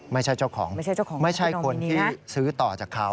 ไม่ใช่เจ้าของไม่ใช่คนที่ซื้อต่อจากเขา